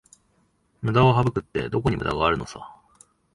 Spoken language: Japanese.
ムダを省くって、どこにムダがあるのさ